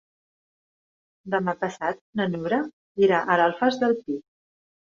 Demà passat na Nura irà a l'Alfàs del Pi.